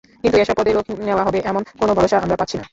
কিন্তু এসব পদে লোক নেওয়া হবে, এমন কোনো ভরসা আমরা পাচ্ছি না।